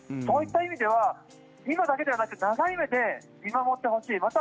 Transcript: そういった意味では今だけではなく長い目で見守ってほしい。